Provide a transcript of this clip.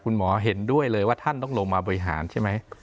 เห็นด้วยเลยว่าท่านต้องลงมาบริหารใช่ไหม